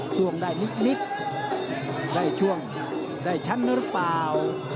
ช่วงได้นิดได้ช่วงได้ชั้นหรือเปล่า